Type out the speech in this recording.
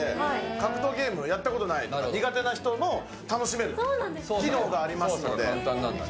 格闘ゲームやったことない苦手な人も楽しめる機能もありますので。